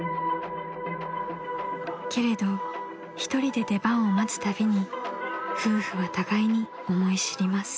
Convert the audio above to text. ［けれど一人で出番を待つたびに夫婦は互いに思い知ります］